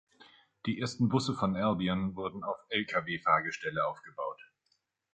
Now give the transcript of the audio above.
Die ersten Busse von Albion wurden auf Lkw-Fahrgestelle aufgebaut.